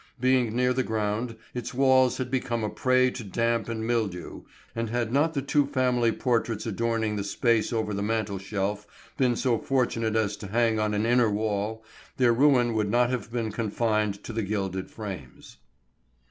Being near the ground, its walls had become a prey to damp and mildew, and had not the two family portraits adorning the space over the mantel shelf been so fortunate as to hang on an inner wall, their ruin would not have been confined to the gilded frames.